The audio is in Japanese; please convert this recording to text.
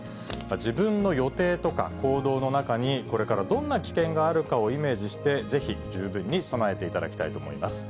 自分の予定とか、行動の中に、これからどんな危険があるかをイメージして、ぜひ十分に備えていただきたいと思います。